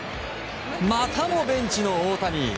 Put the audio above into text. またもベンチの大谷！